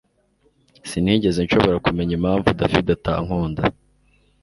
Sinigeze nshobora kumenya impamvu David atankunda